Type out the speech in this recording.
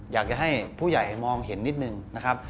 อยากจะให้ผู้ใหญ่มองเห็นนิดนึงนะครับ